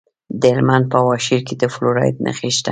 د هلمند په واشیر کې د فلورایټ نښې شته.